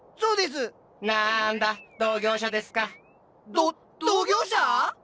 ど同業者⁉